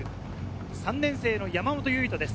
３年生の山本唯翔です。